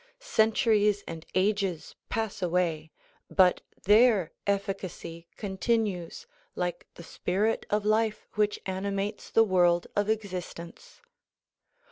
Centuries and ages pass away but their efficacy continues like the spirit of life which animates the world of existence.